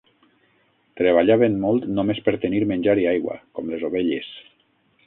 Treballaven molt només per tenir menjar i aigua, com les ovelles.